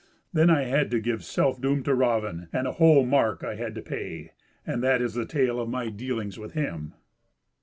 Then I had to give selfdoom to Raven, and a whole mark I had to pay; and that is the tale of my dealings with him."